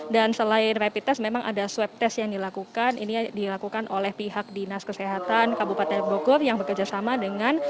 dan selain rapid test memang ada swab test yang dilakukan ini dilakukan oleh pihak dinas kesehatan kabupaten bogor yang bekerjasama dengan